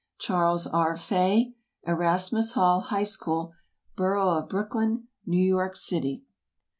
CHARLES R. FAY, Erasmus Hall High School, Borough of Brooklyn, New York City.